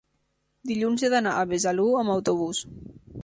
dilluns he d'anar a Besalú amb autobús.